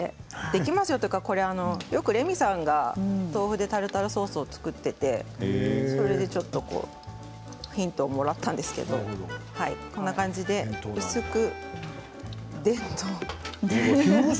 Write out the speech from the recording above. できますよというか、これはよくレミさんが豆腐でタルタルソースを作っていてそれでちょっとヒントをもらったんですけどこんな感じで薄く。